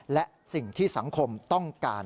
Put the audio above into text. และสิ่งที่สังคมต้องการ